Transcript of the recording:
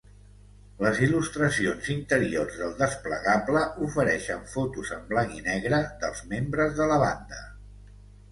Les il·lustracions interiors del desplegable ofereixen fotos en blanc i negre dels membres de la banda.